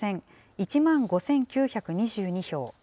１万５９９２票。